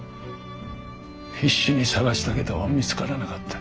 必死に捜したけど見つからなかった」。